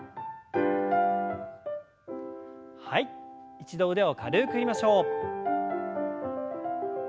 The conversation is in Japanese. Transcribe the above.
一度腕を軽く振りましょう。